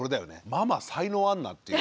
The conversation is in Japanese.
ママ才能あんなっていう。